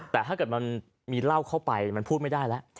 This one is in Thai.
แต่ถ้าเกิดมันมีเหล้าเข้าไปมันพูดไม่ได้แล้ว